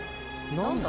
何だ？